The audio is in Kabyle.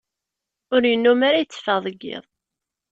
Ur yennum ara yetteffeɣ deg iḍ.